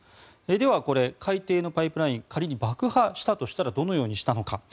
ではこれ、海底のパイプライン仮に爆破したとしたらどのようにしたのか。